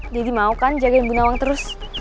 jadi mau kan jagain bu nawang terus